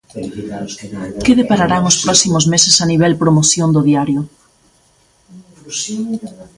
Que depararán os próximos meses a nivel promoción do diario?